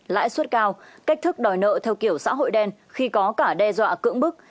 lãi suất cao cách thức đòi nợ theo kiểu xã hội đen khi có cả đe dọa cưỡng bức